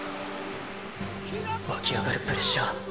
湧き上がるプレッシャー！！